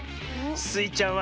スイちゃんは。